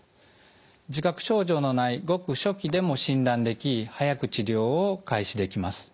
自覚症状のないごく初期でも診断でき早く治療を開始できます。